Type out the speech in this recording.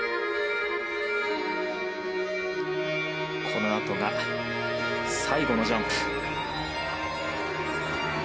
このあとが最後のジャンプ。